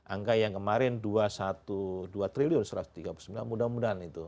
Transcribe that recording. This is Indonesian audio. angka yang kemarin dua ratus dua belas triliun satu ratus tiga puluh sembilan mudah mudahan itu